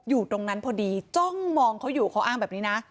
อยู่ตรงนั้นพอดีจ้องมองเขาอยู่เขาอ้างแบบนี้นะ